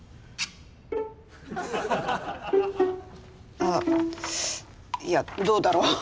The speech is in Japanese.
あっいやどうだろう。